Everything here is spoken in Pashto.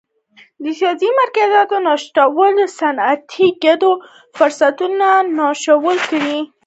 د سیاسي مرکزیت نشتوالي صنعتي کېدو فرصتونه ناشو کړل.